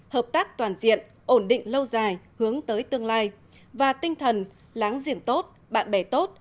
hợp tác toàn diện ổn định lâu dài hướng tới tương lai và tinh thần láng giềng tốt bạn bè tốt